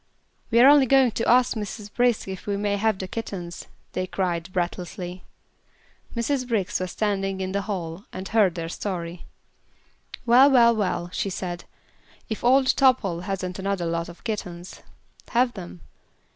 "We are only going to ask Mrs. Brisk if we may have the kittens," they cried, breathlessly. Mrs. Brisk was standing in the hall, and heard their story. "Well! Well! Well!" she said. "If old Topple hasn't another lot of kittens. Have them?